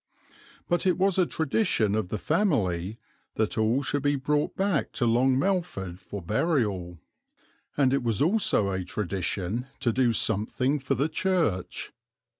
But it was a tradition of the family that all should be brought back to Long Melford for burial; and it was also a tradition to do something for the church.